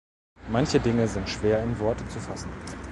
Manche Dinge sind schwer in Worte zu fassen.